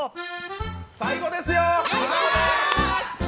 最後ですよ！